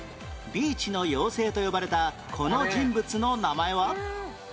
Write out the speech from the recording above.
ビーチの妖精と呼ばれたこの人物の名前は？